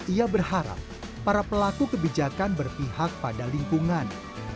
ia berharap para pelaku kebijakan berpihak pada lingkungan